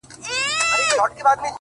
o ستا خــوله كــي ټــپه اشــنا؛